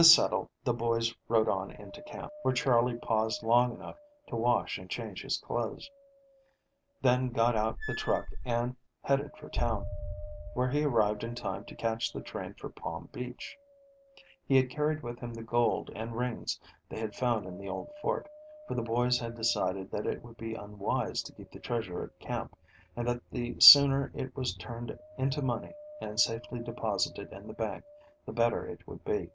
This settled, the boys rode on into camp, where Charley paused long enough to wash and change his clothes, then got out the truck and headed for town, where he arrived in time to catch the train for Palm Beach. He carried with him the gold and rings they had found in the old fort, for the boys had decided that it would be unwise to keep the treasure at camp, and that the sooner it was turned into money and safely deposited in the bank the better it would be.